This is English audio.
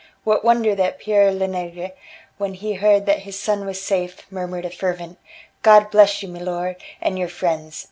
What wonder that Pere Lenegre, when he heard that his son was safe murmured a fervent: "God bless you, milor, and your friends!"